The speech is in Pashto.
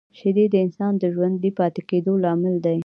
شیدې د انسان د ژوندي پاتې کېدو لامل دي